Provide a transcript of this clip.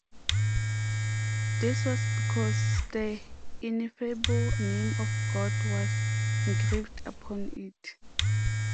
This was because the Ineffable Name of God was engraved upon it.